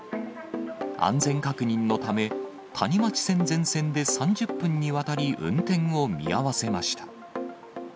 安全確認のため、谷町線全線で３０分にわたり運転を見合わせました。